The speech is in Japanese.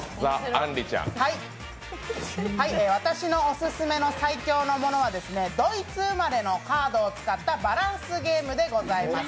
私のオススメの最強なものはドイツ生まれのカードを使ったバランスゲームでございます。